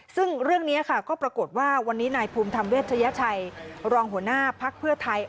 ซึ่งเรื่องนี้ค่ะก็ปรากฏว่าวันนี้นายภูมิธรรมเวชยชัยรองหัวหน้าภักดิ์เพื่อไทย